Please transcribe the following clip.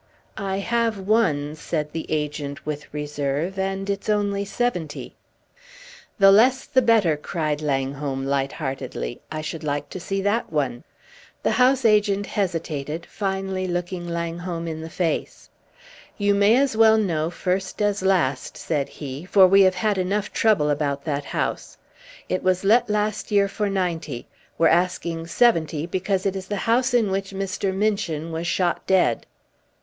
"I have one," said the agent with reserve, "and it's only seventy." "The less the better," cried Langholm, light heartedly. "I should like to see that one." The house agent hesitated, finally looking Langholm in the face. "You may as well know first as last," said he, "for we have had enough trouble about that house. It was let last year for ninety; we're asking seventy because it is the house in which Mr. Minchin was shot dead.